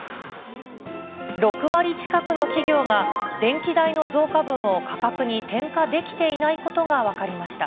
６割近くの企業が、電気代の増加分を価格に転嫁できていないことが分かりました。